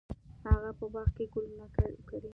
هغه په باغ کې ګلونه وکري.